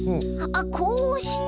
あっこうして？